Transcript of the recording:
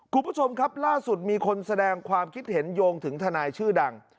คุณผู้ชมครับล่าสุดมีคนแสดงความคิดเห็นโยงถึงทนายชื่อดัง